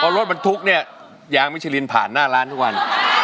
เพราะรถมันทุกข์เนี่ยยางมิชชาลินผ่านหน้าร้านทุกวัน